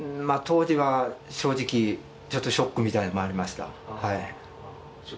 当時は正直、ちょっとショックみたいのもありました。